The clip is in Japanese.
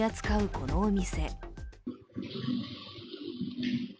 このお店。